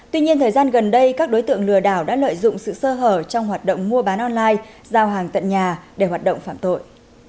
tuy nhiên thời gian gần đây các đối tượng lừa đảo đã lợi dụng sự sơ hở trong hoạt động mua bán online giao hàng tận nhà để hoạt động phạm tội